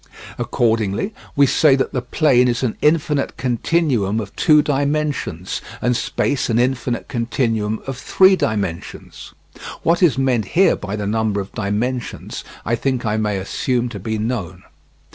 Accordingly we say that the plane is an infinite continuum of two dimensions, and space an infinite continuum of three dimensions. What is here meant by the number of dimensions, I think I may assume to be known.